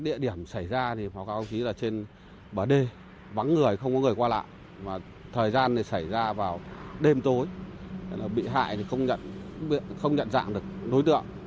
địa điểm xảy ra là trên bờ đê vắng người không có người qua lạ thời gian xảy ra vào đêm tối bị hại không nhận dạng được đối tượng